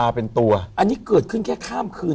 ถูกต้องไหมครับถูกต้องไหมครับ